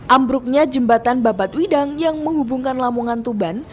ambruknya jembatan babat widang yang menghubungkan lamongan tuban